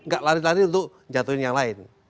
gak lari lari untuk jatuhin yang lain